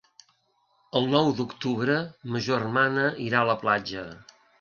El nou d'octubre ma germana irà a la platja.